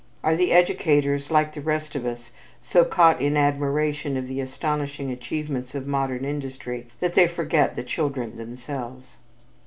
Are the educators, like the rest of us, so caught in admiration of the astonishing achievements of modern industry that they forget the children themselves?